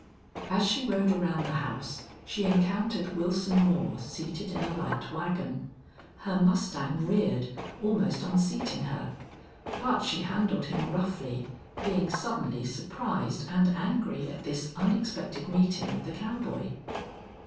As she rode around the house she encountered Wilson Moore seated in a light wagon. Her mustang reared, almost unseating her. But she handled him roughly, being suddenly surprised and angry at this unexpected meeting with the cowboy.